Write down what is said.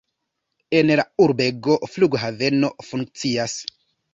En la urbego flughaveno funkcias.